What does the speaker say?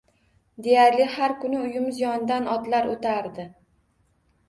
Deyarli har kuni uyimiz yonidan otlar o`tardi